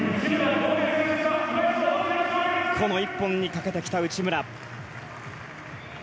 この１本にかけてきた内村。